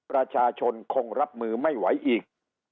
ประชาชนคงรับมือไม่ไหวอีก